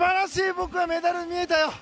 僕はメダル、見えたよ。